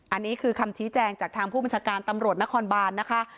อันนี้คือคำชี้แจงจากทางผู้บัญชาการตำรวจนครบานนะคะ